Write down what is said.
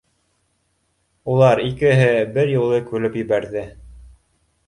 У лар икеһе бер юлы көлөп ебәрҙе